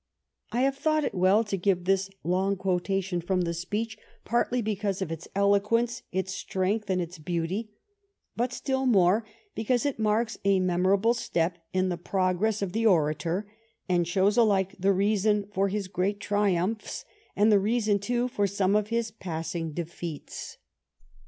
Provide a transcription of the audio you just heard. I have thought it well to give this long quota tion from the speech, partly because of its elo quence, its strength, and its beauty, but still more because it marks a memorable step in the pro gress of the orator, and shows alike the reason for his great triumphs and the reason, too, for some of his passing defeats.